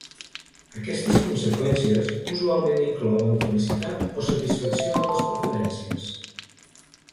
Aquestes conseqüències usualment inclouen felicitat o satisfacció de les preferències.